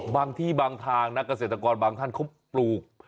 บางที่บางทางนะเกษตรกรบางท่านเขาปลูก